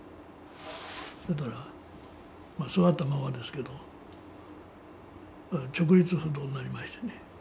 そしたら座ったままですけど直立不動になりましてね。